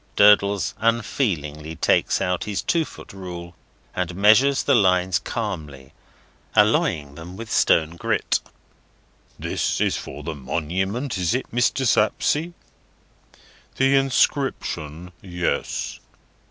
Durdles unfeelingly takes out his two foot rule, and measures the lines calmly, alloying them with stone grit. "This is for the monument, is it, Mr. Sapsea?" "The Inscription. Yes."